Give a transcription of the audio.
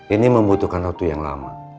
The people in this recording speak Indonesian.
ini membutuhkan waktu yang lama